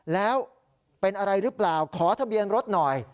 แล้วเป็นอะไรหรือเปล่าขอทะเบียนรถหน่อย